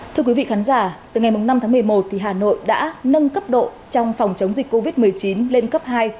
thưa quý vị khán giả từ ngày năm tháng một mươi một hà nội đã nâng cấp độ trong phòng chống dịch covid một mươi chín lên cấp hai